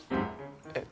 えっ？